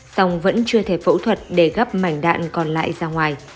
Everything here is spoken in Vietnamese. song vẫn chưa thể phẫu thuật để gấp mảnh đạn còn lại ra ngoài